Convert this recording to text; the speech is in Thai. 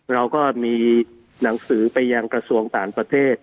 เราก็มีหนังสือไปยังกระทรวงต่างประเทศ